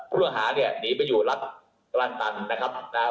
ผู้ห่างหาเนี่ยหนีไปอยู่รัฐกลั่นตันนะครับนะฮะ